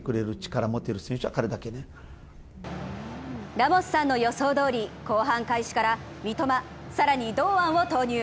ラモスさんの予想どおり、後半開始から三笘、更に堂安を投入。